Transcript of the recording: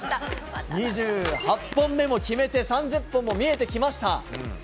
２８本目も決めて、３０本も見えてきました。